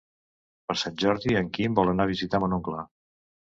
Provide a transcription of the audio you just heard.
Per Sant Jordi en Quim vol anar a visitar mon oncle.